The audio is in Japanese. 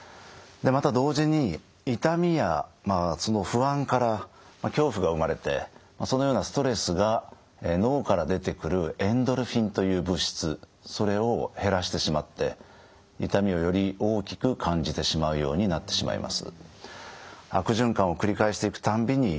また同時に痛みやまあその不安から恐怖が生まれてそのようなストレスが脳から出てくるエンドルフィンという物質それを減らしてしまって痛みをより大きく感じてしまうようになってしまいます。